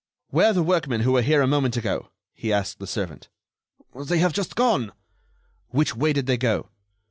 "Where are the workmen who were here a moment ago?" he asked the servant. "They have just gone." "Which way did they go?"